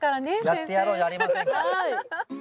やってやろうじゃありませんか。